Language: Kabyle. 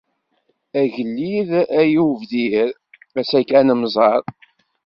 Agellid ay ubdir ass-agi ad nemẓer.